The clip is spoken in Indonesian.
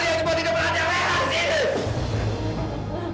kembali ke neraka syaitan